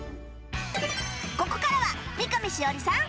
ここからは三上枝織さん